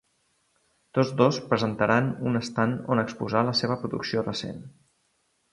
Tots dos presentaran un estand on exposar la seva producció recent.